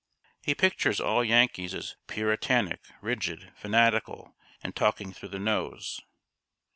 He pictures all Yankees as puritanic, rigid, fanatical, and talking through the nose.